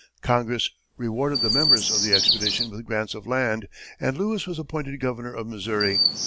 Congress rewarded the members of the expedition with grants of land, and Lewis was appointed governor of Missouri.